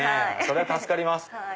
それは助かります。